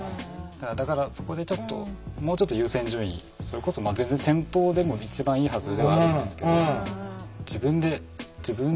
だからそこでもうちょっと優先順位それこそ全然先頭でも一番いいはずではあるんですけど。